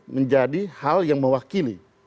menjadi hal yang mewakili